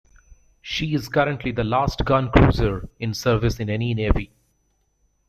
She is currently the last gun cruiser in service in any navy.